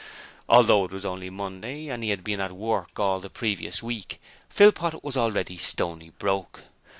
Although it was only Monday and he had been at work all the previous week, Philpot was already stony broke.